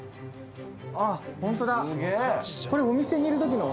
あっホントだこれ。